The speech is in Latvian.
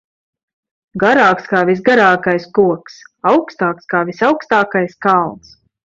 Garāks kā visgarākais koks, augstāks kā visaugstākais kalns.